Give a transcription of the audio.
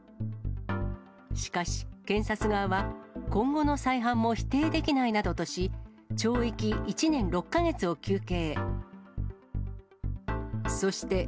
しかし、検察側は今後の再犯も否定できないなどとし、懲役１年６か月を求刑。